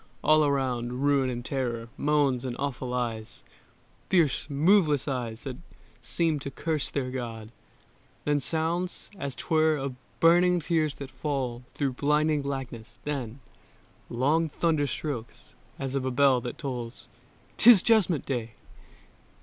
All around Ruin and terror, moans and awful eyes, Fierce, moveless eyes that seem to curse their God: Then sounds, as 'twere, of burning tears that fall Through blinding blackness: then long thunder strokes As of a bell that tolls "'Tis Judgment Day!"